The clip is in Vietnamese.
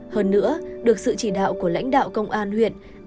hơn nữa được sự chỉ đạo của lãnh đạo công an huyện nghĩa đàn